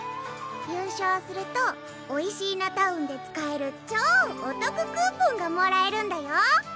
優勝するとおいしーなタウンで使える超お得クーポンがもらえるんだよ！